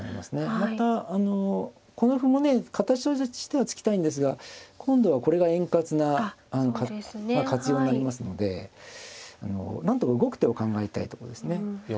またこの歩もね形としては突きたいんですが今度はこれが円滑なまあ活用になりますのでなんとか動く手を考えたいとこですね。